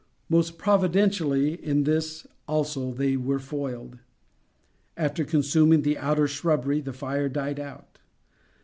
Most providentially, in this also they were foiled. After consuming the outer shrubbery, the fire died out.